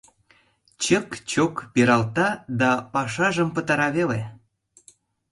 — Чык-чок пералта да пашажым пытара веле.